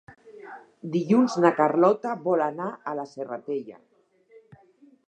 Dilluns na Carlota vol anar a la Serratella.